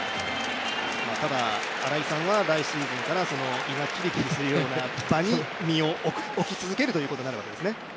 ただ新井さんは来シーズンから胃がキリキリするような場所に身を置き続けるということですね。